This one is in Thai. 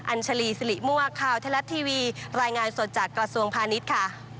อัญชาลีสิริมวะคาวเทลัสทีวีรายงานสดจากกระทรวงพาณิชย์